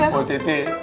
mau di sini